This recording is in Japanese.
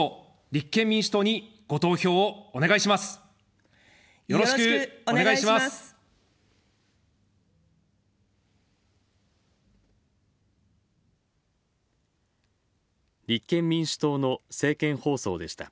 立憲民主党の政見放送でした。